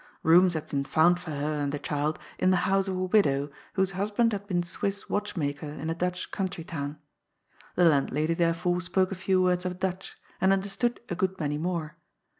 Booms had been found for her and the child in the house of a widow, whose husband had been Swiss watch maker in a Dutch country town. The landlady, therefore, spoke a few words of Dutch, and understood a good many more.